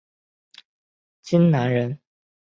荆南人。